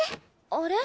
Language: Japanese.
あれ？